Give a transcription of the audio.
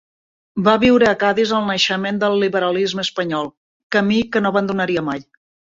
Va viure a Cadis el naixement del liberalisme espanyol, camí que no abandonaria mai.